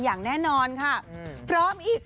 อย่างแน่นอนค่ะพร้อมอีก